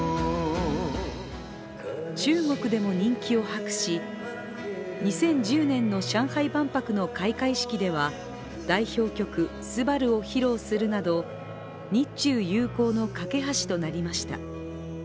中国でも人気を博し２０１０年の上海万博の開会式では代表曲「昴−すばる−」を披露するなど日中友好のかけ橋となりました。